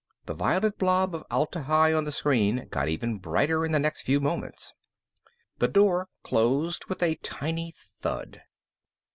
The violet blob of Atla Hi on the screen got even brighter in the next few moments. The door closed with a tiny thud.